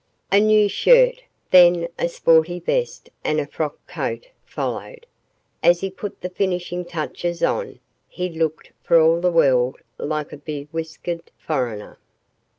A new shirt, then a sporty vest and a frock coat followed. As he put the finishing touches on, he looked for all the world like a bewhiskered foreigner.